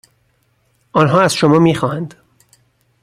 آنها از شما میخواهند